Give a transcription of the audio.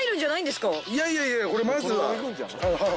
いやいやいやこれまずは。